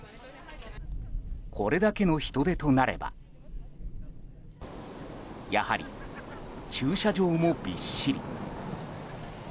これだけの人出となればやはり駐車場もびっしり。